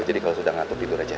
jadi kalau sudah ngantuk tidur aja